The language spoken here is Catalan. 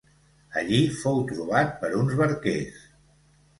Allí fou trobat per uns barquers.